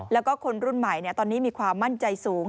แล้วก็คนรุ่นใหม่ตอนนี้มีความมั่นใจสูง